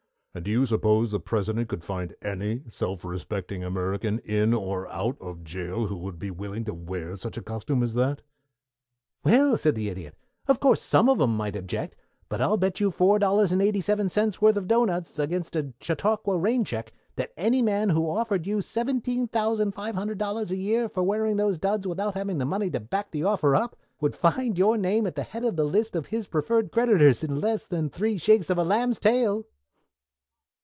"And do you suppose the President could find any self respecting American in or out of jail who would be willing to wear such a costume as that?" "Well," said the Idiot, "of course some of 'em might object, but I'll bet you four dollars and eighty seven cents' worth of doughnuts against a Chautauqua rain check that any man who offered you seventeen thousand five hundred dollars a year for wearing those duds without having the money to back the offer up would find your name at the head of the list of his preferred creditors in less than three shakes of a lamb's tail!"